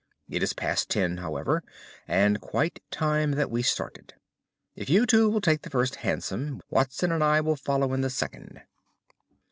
It is past ten, however, and quite time that we started. If you two will take the first hansom, Watson and I will follow in the second."